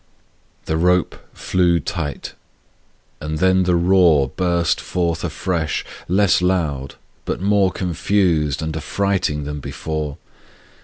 The rope flew tight; and then the roar Burst forth afresh; less loud, but more Confused and affrighting than before.